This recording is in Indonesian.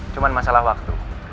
cuma masalah waktu